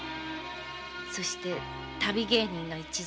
そして旅芸人の一座に。